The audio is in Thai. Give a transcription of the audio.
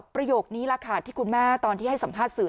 ประโยคนี้แหละค่ะที่คุณแม่ตอนที่ให้สัมภาษณ์สื่อ